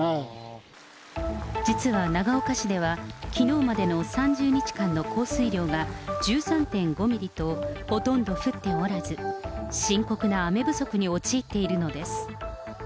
実は長岡市では、きのうまでの３０日間の降水量が、１３．５ミリとほとんど降っておらず、深刻な雨不足に陥っているのです。